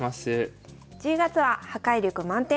１０月は「破壊力満点！